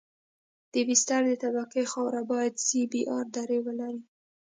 د بستر د طبقې خاوره باید سی بي ار درې ولري